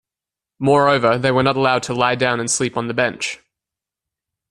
Moreover, they were not allowed to lie down and sleep on the bench.